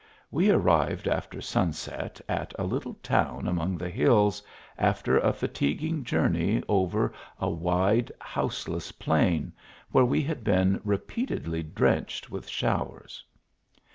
We arrived after sunset at a little town 16 THE ALHAMBRA. among the hills, after a fatiguing journey over a wide houseless plain, where we had been repeatedly drenched with showers.